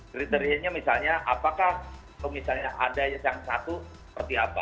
kriterianya misalnya apakah misalnya ada yang satu seperti apa